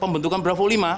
pembentukan bravo lima